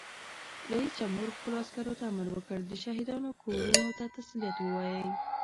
رئیس جمهور خپلو عسکرو ته امر وکړ؛ د شهیدانو کورنیو ته تسلیت ووایئ!